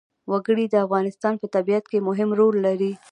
وګړي د افغانستان په طبیعت کې مهم رول لري.